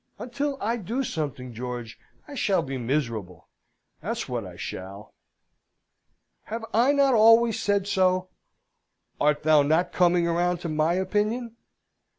Until I do something, George, I shall be miserable, that's what I shall!" "Have I not always said so? Art thou not coming round to my opinion?"